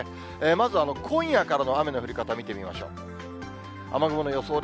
まず、今夜からの雨の降り方、見てみましょう。